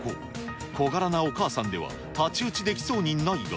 小柄なお母さんでは太刀打ちできそうにないが。